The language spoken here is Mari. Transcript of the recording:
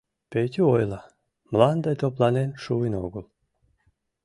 — Петю ойла: мланде топланен шуын огыл.